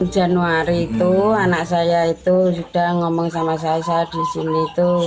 januari itu anak saya itu sudah ngomong sama saya saat disini itu